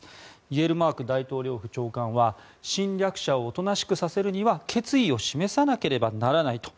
イェルマーク大統領府長官は侵略者をおとなしくさせるには決意を示さなければならないと。